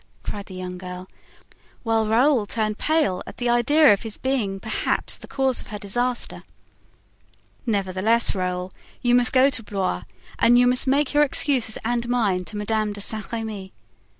cried the young girl, while Raoul turned pale at the idea of his being perhaps the cause of her disaster. "Nevertheless, Raoul, you must go to Blois and you must make your excuses and mine to Madame de Saint Remy."